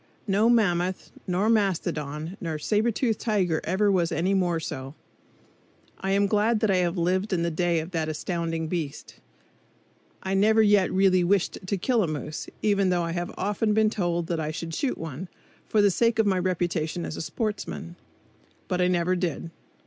No mammoth, nor mastodon, nor sabretoothed tiger ever was any more so. I am glad that I have lived in the day of that astounding beast. I never yet really wished to kill a moose, even though I have often been told that I should shoot one, for the sake of my reputation as a sportsman. But I never did.